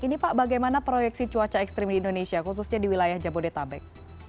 ini pak bagaimana proyeksi cuaca ekstrim di indonesia khususnya di wilayah jabodetabek